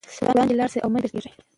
وړاندې لاړ شئ او مه بېرته کېږئ.